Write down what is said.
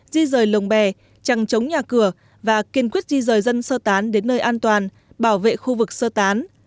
di rời lồng bè chẳng chống nhà cửa và kiên quyết di rời dân sơ tán đến nơi an toàn bảo vệ khu vực sơ tán